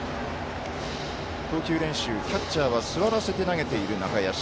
投球練習、キャッチャーは座らせて投げている中屋敷。